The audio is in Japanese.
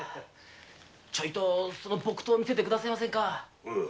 ちょいとその木刀見せて下さいませんか。